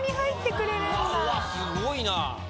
うわっすごいな。